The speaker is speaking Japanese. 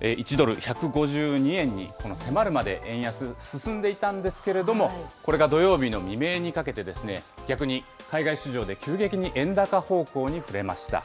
１ドル１５２円に迫るまで円安が進んでいたんですけれども、これが土曜日の未明にかけて、逆に海外市場で急激に円高方向に振れました。